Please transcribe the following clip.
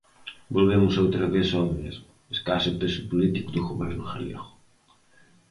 Volvemos outra vez ao mesmo: escaso peso político do Goberno galego.